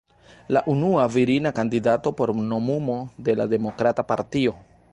La unua virina kandidato por nomumo de la demokrata partio.